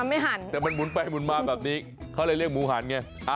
ไม่หันแต่มันหุ่นไปหมุนมาแบบนี้เขาเลยเรียกหมูหันไง